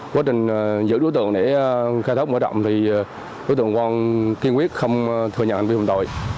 quá trình giữ đối tượng để khai thác mở rộng thì đối tượng quang kiên quyết không thừa nhận hành vi phạm tội